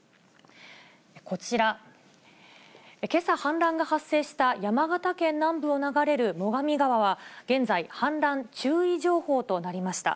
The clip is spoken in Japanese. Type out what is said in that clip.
こちら、けさ氾濫が発生した山形県南部を流れる最上川は現在、氾濫注意情報となりました。